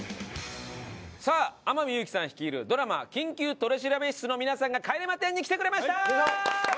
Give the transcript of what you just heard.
さあ天海祐希さん率いるドラマ『緊急取調室』の皆さんが帰れま１０に来てくれましたー！